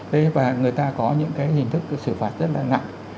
thế và người ta có những cái hình thức xử phạt rất là nặng